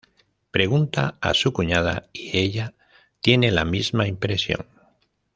Pregunta a su cuñada y ella tiene la misma impresión.